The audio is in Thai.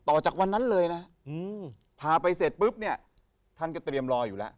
จากวันนั้นเลยนะพาไปเสร็จปุ๊บเนี่ยท่านก็เตรียมรออยู่แล้ว